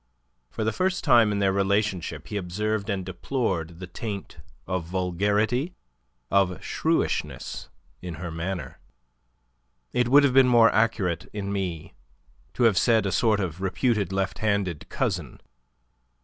For the first time in their relationship he observed and deplored the taint of vulgarity, of shrewishness, in her manner. "It would have been more accurate in me to have said a sort of reputed left handed cousin."